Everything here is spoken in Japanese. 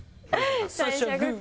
最初はグー！